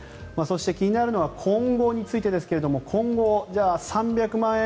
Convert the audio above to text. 気になるのは今後についてですが今後は３００万円